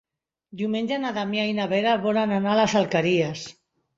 Diumenge na Damià i na Vera volen anar a les Alqueries.